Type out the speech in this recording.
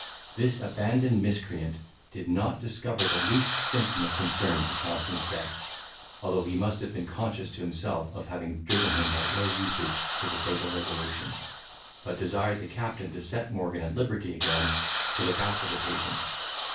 This abandoned miscreant did not discover the least symptom of concern for Thompson's death, although he must have been conscious to himself of having driven him by ill usage to the fatal resolution, but desired the captain to set Morgan at liberty again to look after the patients.